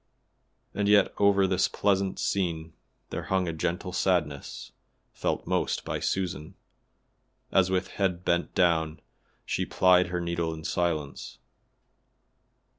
And yet over this pleasant scene there hung a gentle sadness, felt most by Susan, as with head bent down she plied her needle in silence.